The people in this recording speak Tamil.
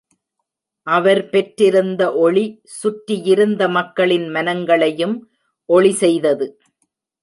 அவர் பெற்றிருந்த ஒளி சுற்றியிருந்த மக்களின் மனங்களையும் ஒளி செய்தது.